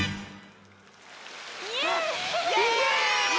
イエーイ！